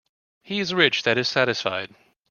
He is rich that is satisfied.